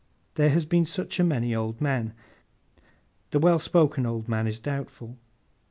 There has been such a many old men. The well spoken old man is doubtful.